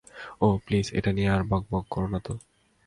ওহ, please, এটা নিয়ে আর বকবক করো নাতো।